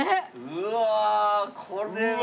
うわあこれは。